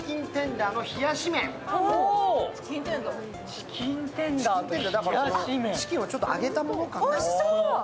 チキンテンダー、チキンをちょっと揚げたものかな。